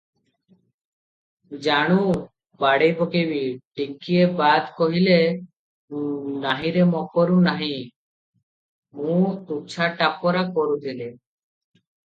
ଜାଣୁ, ବାଡ଼େଇ ପକାଇବି ।” ଟିକିଏ ବାଦ୍ କହିଲେ, “ନାହିଁରେ ମକରୁ ନାହିଁରେ, ମୁଁ ତୁଚ୍ଛା ଟାପରା କରୁଥିଲି!